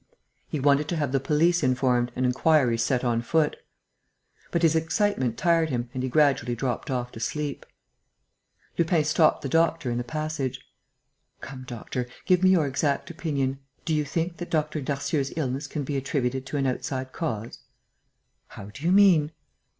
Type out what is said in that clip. He wanted to have the police informed and inquiries set on foot. But his excitement tired him and he gradually dropped off to sleep. Lupin stopped the doctor in the passage: "Come, doctor, give me your exact opinion. Do you think that M. Darcieux's illness can be attributed to an outside cause?" "How do you mean?"